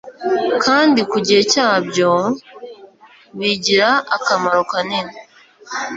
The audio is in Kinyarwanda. kandi ku gihe cyabyo bigira akamaro kanini,